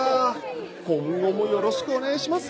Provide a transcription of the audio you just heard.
今後もよろしくお願いします。